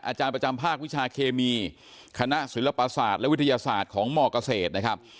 อาจารย์ประจำภาควิชาเคมีคณะศิลปศาสตร์และวิทยาศาสตร์ของมเกษตรนะครับ